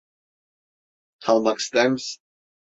Kalmak ister misin?